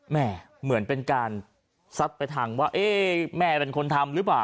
เหมือนเป็นการซัดไปทางว่าแม่เป็นคนทำหรือเปล่า